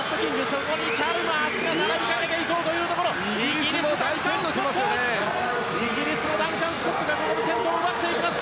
そこにチャルマースが並びかけていこうというところイギリスのダンカン・スコットがここで先頭を奪っていきます。